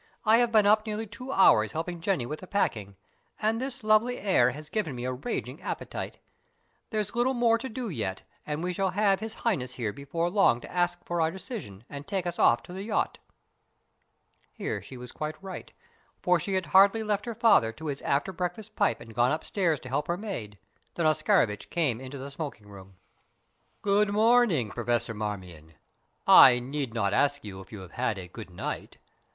I have been up nearly two hours helping Jenny with the packing, and this lovely air has given me a raging appetite. There's a little more to do yet, and we shall have His Highness here before long to ask for our decision and take us off to the yacht." Here she was quite right, for she had hardly left her father to his after breakfast pipe and gone upstairs to help her maid, than Oscarovitch came into the smoking room. "Good morning, Professor Marmion! I need not ask you if you have had a good night.